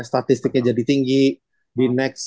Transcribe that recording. statistiknya jadi tinggi di next